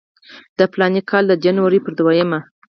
د فلاني کال د جنورۍ پر دویمه.